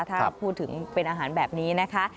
ถ้าพูดถึงเป็นอาหารแบบนี้นะคะ